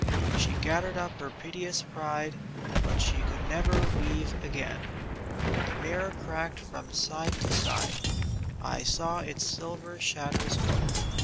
She gathered up her piteous pride, But she could never weave again. The mirror cracked from side to side; I saw Its silver shadows go.